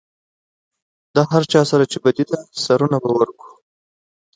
د هر چا سره چې بدي ده سرونه به ورکړو.